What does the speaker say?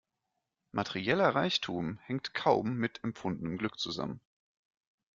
Materieller Reichtum hängt kaum mit empfundenem Glück zusammen.